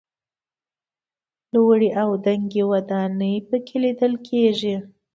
لوړې او دنګې ودانۍ په کې لیدل کېږي.